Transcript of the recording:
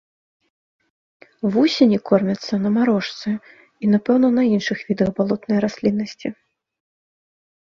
Вусені кормяцца на марошцы і, напэўна, на іншых відах балотнай расліннасці.